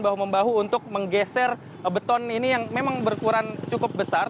bahu membahu untuk menggeser beton ini yang memang berukuran cukup besar